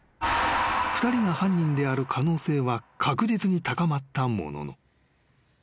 ２人が犯人である可能性は確実に高まったものの］